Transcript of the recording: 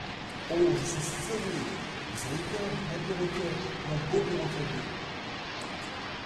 Oh ! je suis furieuse !… vous savez bien, mon perroquet… mon beau perroquet bleu ?…